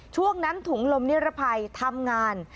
ช่วงนั้นถุงลมนิรภัยทำงาน